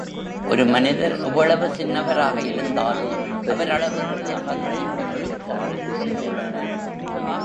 ஒரு மனிதர் எவ்வளவு சின்னவராக இருந்தாலும் அவர் அளவுக்கு அகந்தை அழுக்காறு கொண்டுள்ளனர்.